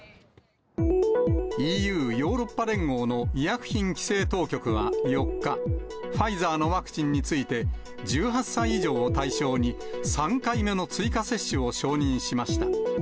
ＥＵ・ヨーロッパ連合の医薬品規制当局は４日、ファイザーのワクチンについて、１８歳以上を対象に、３回目の追加接種を承認しました。